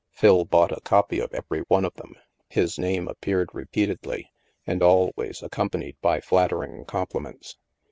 Phil bought a copy of every one of them. His name appeared repeatedly, and always accompanied by flattering compliments.